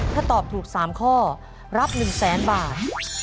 ถ้าตอบถูก๓ข้อรับ๑แสนบาท